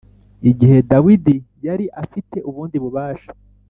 Igihe Dawidi yari afite ubundi bubasha